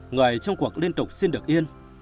người trong cuộc liên tục xin được yên